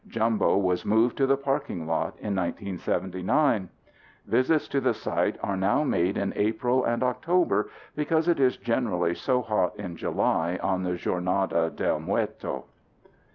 Jumbo was moved to the parking lot in 1979. Visits to the site are now made in April and October because it is generally so hot in July on the Jornada del Muerto.